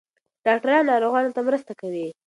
ډاکټران ناروغانو ته مرسته کوي.